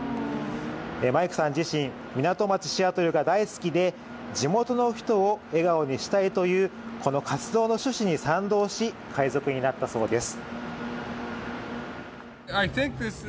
マイクさん自身、港町シアトルが大好きで地元の人を笑顔にしたいというこの活動の趣旨に賛同し海賊になったそうです。